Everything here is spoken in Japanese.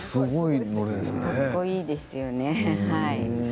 かっこいいですよね。